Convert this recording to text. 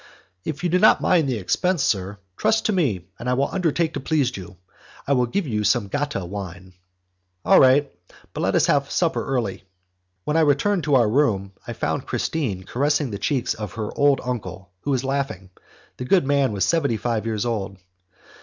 "If you do not mind the expense, sir, trust to me, and I undertake to please you. I will give you some Gatta wine." "All right, but let us have supper early." When I returned to our room, I found Christine caressing the cheeks of her old uncle, who was laughing; the good man was seventy five years old.